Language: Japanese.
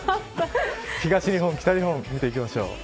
東日本、北日本見ていきましょう。